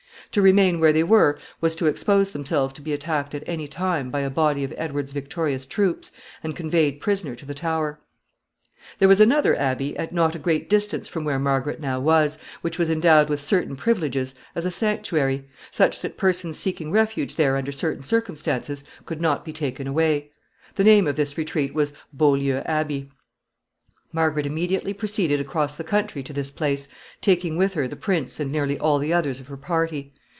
To remain where they were was to expose themselves to be attacked at any time by a body of Edward's victorious troops and conveyed prisoner to the Tower. [Sidenote: She seeks security.] [Sidenote: The Countess of Warwick.] There was another abbey at not a great distance from where Margaret now was, which was endowed with certain privileges as a sanctuary, such that persons seeking refuge there under certain circumstances could not be taken away. The name of this retreat was Beaulieu Abbey. Margaret immediately proceeded across the country to this place, taking with her the prince and nearly all the others of her party.